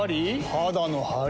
肌のハリ？